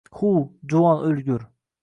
Hu, juvon oʼlgur!..